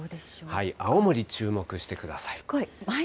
青森、注目してください。